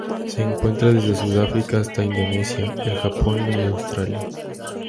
Se encuentra desde Sudáfrica hasta Indonesia, el Japón y Australia.